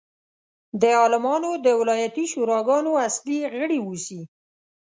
د عالمانو د ولایتي شوراګانو اصلي غړي اوسي.